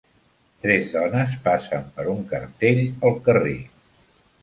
Tres dones passen per un cartell al carrer.